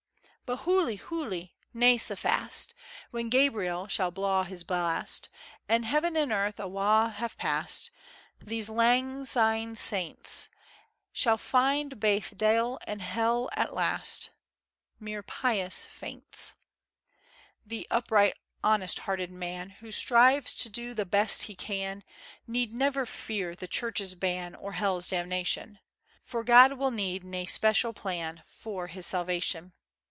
But hoolie[H] hoolie! Na sae fast; When Gabriél shall blaw his blast, And Heaven and Earth awa' have passed, These lang syne saints, Shall find baith de'il and hell at last, Mere pious feints. The upright, honest hearted man, Who strives to do the best he can, Need never fear the Church's ban, Or hell's damnation; For God will need na special plan For his salvation.